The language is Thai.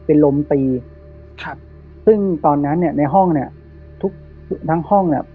เป็นลมตีครับซึ่งตอนนั้นเนี่ยในห้องเนี้ยทุกทั้งห้องเนี่ย